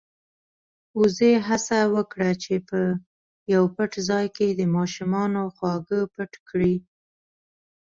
وزې هڅه وکړه چې په يو پټ ځای کې د ماشومانو خواږه پټ کړي.